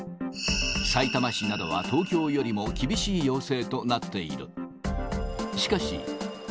さいたま市などは東京よりも厳しい要請となっている。